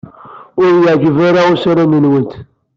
Ur iyi-yeɛjib ara usaran-nwent.